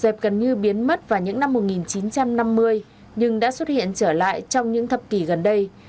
dẹp gần như biến mất vào những năm một nghìn chín trăm năm mươi nhưng đã xuất hiện trở lại trong những thập kỷ gần đây